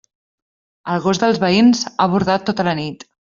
El gos dels veïns ha bordat tota la nit.